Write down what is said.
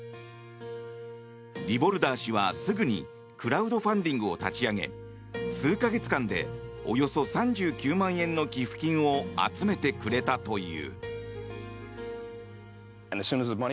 ディボルダー氏はすぐにクラウドファンディングを立ち上げ数か月間で、およそ３９万円の寄付金を集めてくれたという。